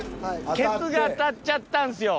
ケツが当たっちゃったんすよ。